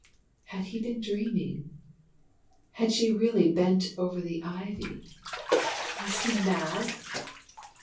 Had he been dreaming? Had she really bent over the ivy? Was he mad?